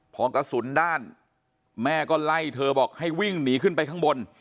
พอกระสุนด้านแม่ก็ไล่เธอบอกให้วิ่งหนีขึ้นไปข้างบน